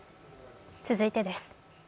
続いてです。